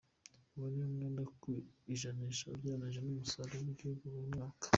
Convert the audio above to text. Uwo ni umwenda ku ijanisha ugeranije n’umusaruro w’igihugu buri mwaka.